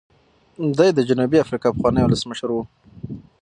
دی د جنوبي افریقا پخوانی ولسمشر و.